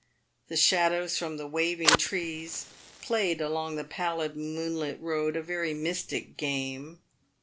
The shadows from the waving trees played along the pallid moonlit road a very mystic game.